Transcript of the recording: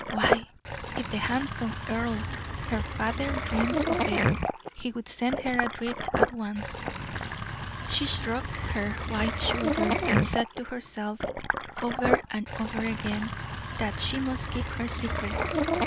Why, if the handsome earl, her father, dreamed of it, he would send her adrift at once! She shrugged her white shoulders and said to herself, over and over again, that she must keep her secret.